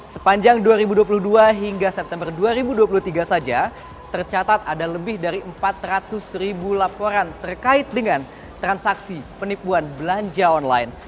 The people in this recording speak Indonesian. sepanjang dua ribu dua puluh dua hingga september dua ribu dua puluh tiga saja tercatat ada lebih dari empat ratus ribu laporan terkait dengan transaksi penipuan belanja online